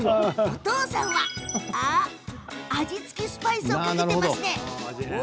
お父さんは味付きスパイスをかけてます。